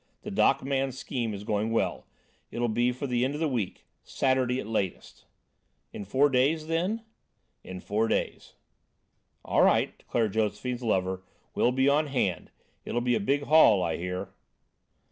The dock man's scheme is going well it'll be for the end of the week, Saturday at latest." "In four days, then?" "In four days." "All right," declared Josephine's lover, "we'll be on hand. It'll be a big haul, I hear."